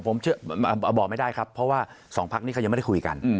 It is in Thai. ผมบอกไม่ได้ครับเพราะว่าสองพักนี้เขายังไม่ได้คุยกัน